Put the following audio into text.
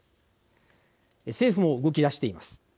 政府も動き出しています。